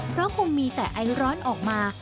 เพราะคงมีแต่ไอร้อนออกมา